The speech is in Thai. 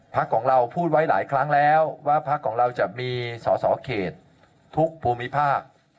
พักของเราพูดไว้หลายครั้งแล้วว่าพักของเราจะมีสอสอเขตทุกภูมิภาค